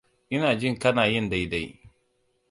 Ina jin kana yin daidai.